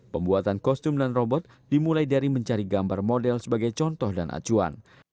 pembuatan kostum dan robot dimulai dari mencari gambar model sebagai contoh dan acuan